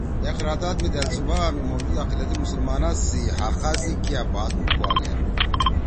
اے قراداد می دأل صوبا می موجود اقلیتی مسلمانا سی کیا حقا سی بات ہُم کوا گأ